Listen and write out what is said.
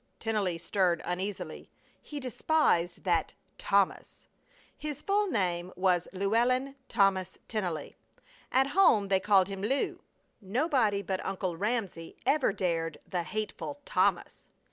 Tennelly stirred uneasily. He despised that "Thomas." His full name was Llewellyn Thomas Tennelly. At home they called him "Lew." Nobody but Uncle Ramsey ever dared the hateful Thomas.